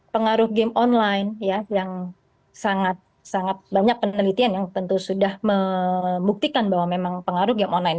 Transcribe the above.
pengaruh game online yang sangat sangat banyak penelitian yang tentu sudah membuktikan bahwa memang pengaruh game online